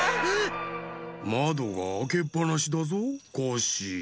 まどがあけっぱなしだぞコッシー。